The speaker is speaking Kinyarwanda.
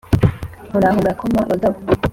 Muraho murakoma bagabo